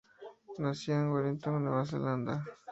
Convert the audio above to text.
Nació en Wellington, Nueva Zelanda.